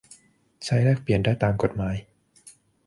ใช้แลกเปลี่ยนได้ตามกฎหมาย